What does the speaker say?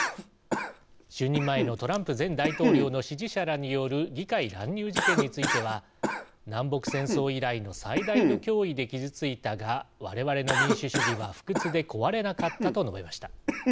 就任前のトランプ前大統領の支持者らによる議会乱入事件については「南北戦争以来の最大の脅威で傷ついたが、我々の民主主義は不屈で壊れなかった」と述べました。